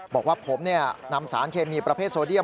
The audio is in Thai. บอกว่าผมนำสารเคมีประเภทโซเดียม